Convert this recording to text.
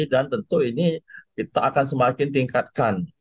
dan tentu ini kita akan semakin tingkatkan